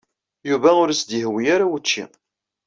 Yuba ur as-d-yehwi ara wučči.